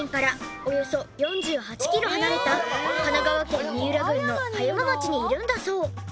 およそ４８キロ離れた神奈川県三浦郡の葉山町にいるんだそう。